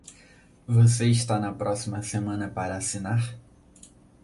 Você está na próxima semana para assinar?